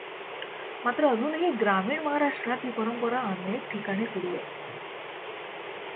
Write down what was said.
मात्र अजूनही ग्रामीण महारापष्ट्रात ही परंपरा अनेक ठिकाणी सुरू आहे.